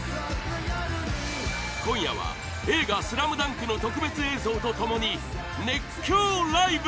今夜は映画「ＳＬＡＭＤＵＮＫ」の特別映像と共に熱狂ライブ！